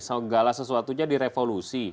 segala sesuatunya direvolusi